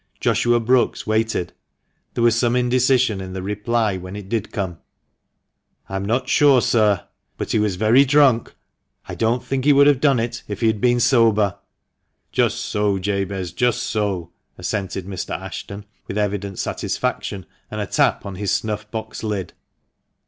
Joshua Brookes waited. There was some indecision in the reply when it did come. " I am not sure, sir. But he was very drunk. I don't think he would have done it if he had been sober." 204 THE MANCHESTER MAN. "Just so, Jabez — just so!" assented Mr. Ashton with evident satisfaction, and a tap on his snuff box lid.